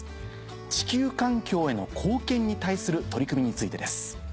「地球環境への貢献」に対する取り組みについてです。